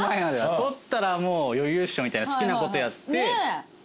取ったらもう余裕っしょみたいな好きなことやって。